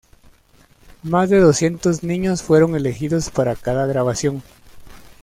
Más de doscientos niños fueron elegidos para cada grabación.